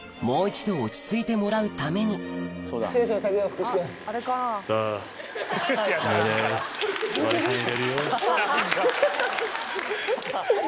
もう一度落ち着いてもらうためにハハハっ！